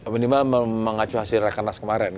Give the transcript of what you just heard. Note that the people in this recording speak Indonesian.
minimal mengacu hasil rakernas kemarin